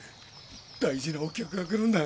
大事なお客が来るんだ。